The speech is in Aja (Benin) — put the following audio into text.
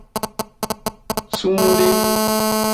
Sungde.